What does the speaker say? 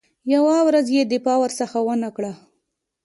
یوه ورځ یې دفاع ورڅخه ونه کړه.